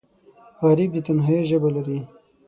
غریب د تنهایۍ ژبه لري